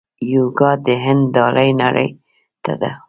یوګا د هند ډالۍ نړۍ ته ده.